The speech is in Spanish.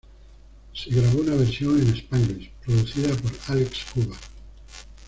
Se grabó una versión en spanglish, producida por Álex Cuba.